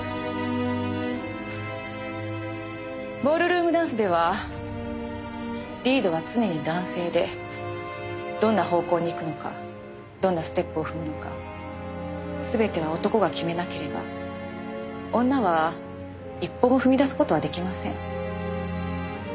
ボールルームダンスではリードは常に男性でどんな方向に行くのかどんなステップを踏むのか全ては男が決めなければ女は一歩も踏み出す事は出来ません。